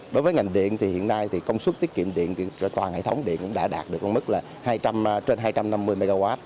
đối với ngành điện hiện nay công suất tiết kiệm điện toàn hệ thống điện đã đạt mức trên hai trăm năm mươi mw